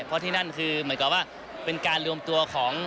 เพราะที่นั่นคือเหมือนกับว่าเป็นการรวมตัวของ